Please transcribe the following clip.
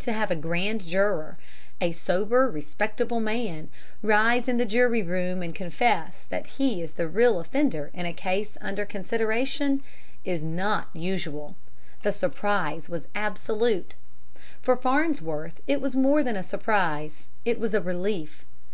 To have a grand juror, a sober, respectable man, rise in the jury room and confess that he is the real offender in a case under consideration, is not usual. The surprise was absolute. For Farnsworth, it was more than a surprise; it was a relief.